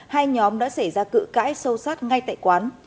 hai nhóm đã xảy ra cự cãi sâu sát ngay tại quán